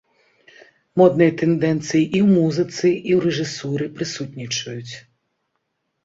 Модныя тэндэнцыі і ў музыцы, і ў рэжысуры прысутнічаюць.